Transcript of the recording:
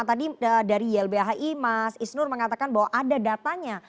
tadi dari ylbhi mas isnur mengatakan bahwa ada datanya